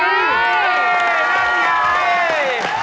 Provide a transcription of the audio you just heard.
นี่